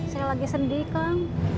saya lagi sedih kang